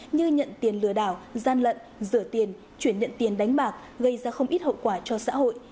như nhận tiền lừa đảo gian lận rửa tiền chuyển nhận tiền đánh bạc gây ra không ít hậu quả cho xã hội